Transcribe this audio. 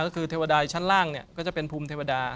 ก็คือเทวดายชั้นล่างก็จะเป็นภูมิเทวดา